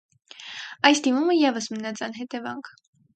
Այս դիմումը ևս մնաց անհետևանք։